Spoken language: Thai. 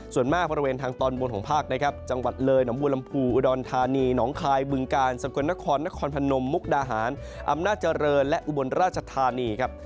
ส่วนมากบริเวณทางตอนบนของภาคนะครับจังหวัดเลยหนองบัวลำพูอุดรธานีหนองคายบึงกาลสกลนครนครพนมมุกดาหารอำนาจเจริญและอุบลราชธานีครับ